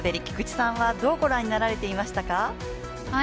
菊池さんはどうご覧になられていましたか？